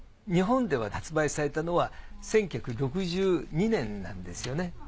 日本では発売されたのは１９６２年なんですよね。